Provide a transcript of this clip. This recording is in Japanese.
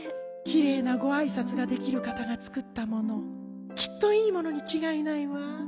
きれいなごあいさつができるかたがつくったものきっといいものにちがいないわ。